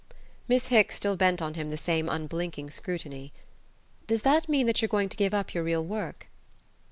Miss Hicks still bent on him the same unblinking scrutiny. "Does that mean that you're going to give up your real work?"